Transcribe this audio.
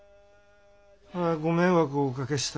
ご迷惑をおかけした。